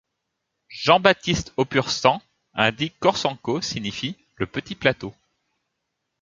Jean-Baptiste Orpustan indique qu'Orsanco signifie 'le petit plateau'.